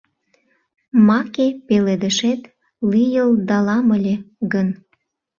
Маке пеледышет лийылдалам ыле гын